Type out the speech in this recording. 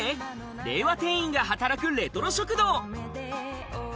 令和店員が働くレトロ食堂。